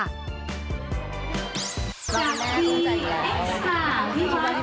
ชอบไหมคะดู